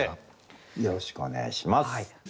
よろしくお願いします。